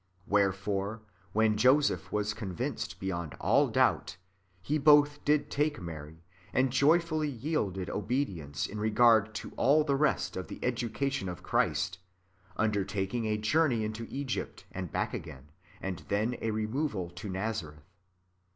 Wherefore, when Joseph was convinced beyond all doubt, he both did take Mary, and joyfully yielded obedience in regard to all the rest of the education of Christ, undertaking a journey into Egypt and back again, and then a removal to Nazareth.